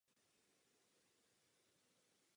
Země splňuje kritéria a zaslouženě.